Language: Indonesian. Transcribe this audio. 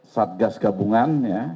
satgas gabungan ya